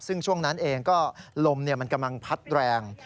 ซึ่งช่วงนั้นเองก็ลมมันกำลังพัดแรง